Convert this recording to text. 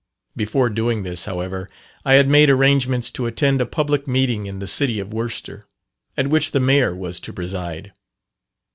Before doing this, however, I had made arrangements to attend a public meeting in the city of Worcester, at which the mayor was to preside.